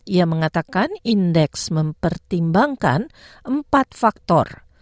ia mengatakan indeks mempertimbangkan empat faktor